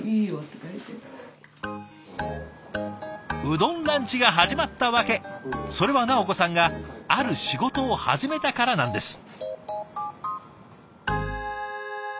うどんランチが始まった訳それは直子さんがある仕事を始めたからなんです。